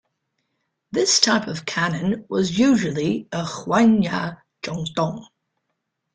This type of cannon was usually a hwangja-chongtong.